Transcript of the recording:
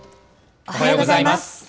おはようございます。